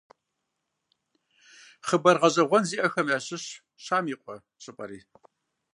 Хъыбар гъэщӀэгъуэн зиӀэхэм ящыщщ «Щам и къуэ» щӀыпӀэри.